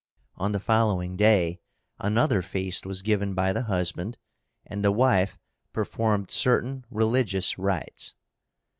On the following day another feast was given by the husband, and the wife performed certain religious rites.